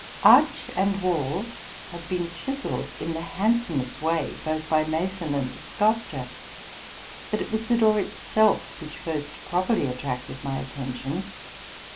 Arch and wall had been chiselled in the handsomest way, both by mason and sculptor; but it was the door itself which first properly attracted my attention.